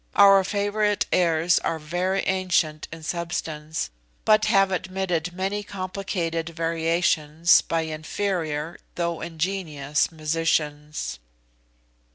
Our favorite airs are very ancient in substance, but have admitted many complicated variations by inferior, though ingenious, musicians."